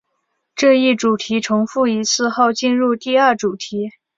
这一主题重复一次后进入第二主题。